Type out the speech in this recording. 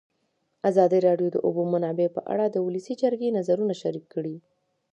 ازادي راډیو د د اوبو منابع په اړه د ولسي جرګې نظرونه شریک کړي.